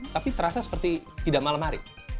tapi terasa seperti tidak malam hari